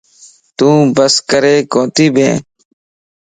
تو بسڪري ڪوتي ٻين؟